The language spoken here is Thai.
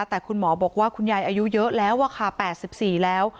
แต่คุณหมอบอกว่าคุณยายอายุเยอะแล้วค่ะ๘๔แล้ว